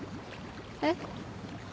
えっ？